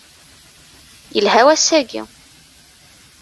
Yelha wass-aki.